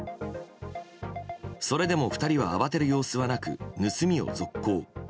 それでも２人は慌てる様子はなく盗みを続行。